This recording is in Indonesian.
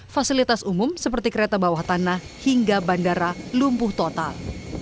fasilitas umum seperti kereta bawah tanah hingga bandara lumpuh total